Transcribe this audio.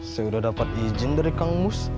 saya sudah dapat izin dari kang mus